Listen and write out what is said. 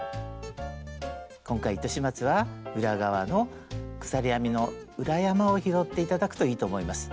今回糸始末は裏側の鎖編みの裏山を拾って頂くといいと思います。